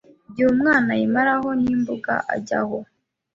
igihe umwana ayimaraho n’imbuga ajyaho